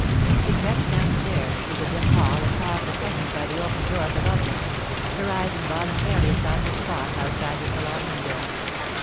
She crept downstairs through the dim hall and paused a second by the open door of the loggia; her eyes involuntarily sought the spot outside the salon window.